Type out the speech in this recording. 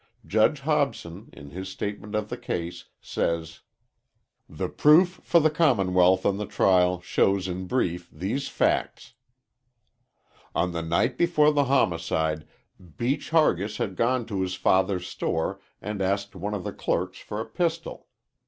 Judge Hobson, in his statement of the case, says: "The proof for the Commonwealth on the trial showed in brief these facts: "On the night before the homicide Beach Hargis had gone to his father's store and asked one of the clerks for a pistol.